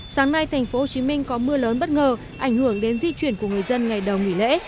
sáng nay tp hcm có mưa lớn bất ngờ ảnh hưởng đến di chuyển của người dân ngày đầu nghỉ lễ